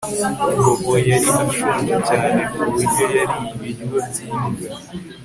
Bobo yari ashonje cyane ku buryo yariye ibiryo byimbwa